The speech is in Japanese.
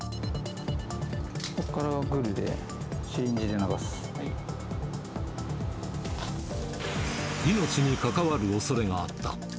ここからグルで、シリンジで命に関わるおそれがあった。